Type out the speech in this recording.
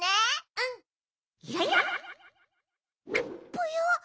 ぽよ！？